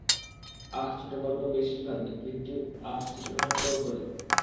আহ, ছোটগল্প বেশিরভাগই, কিন্তু, আহ, চিত্রনাট্যও করি।